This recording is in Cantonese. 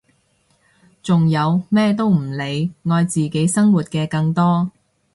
仲有咩都唔理愛自己生活嘅更多！